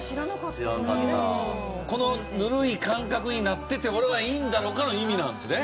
このぬるい感覚になっていて俺はいいんだろうか？の意味なんですね。